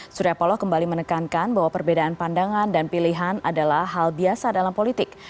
surya paloh kembali menekankan bahwa perbedaan pandangan dan pilihan adalah hal biasa dalam politik